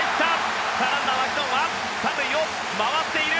ランナー、マキノンは３塁を回っている！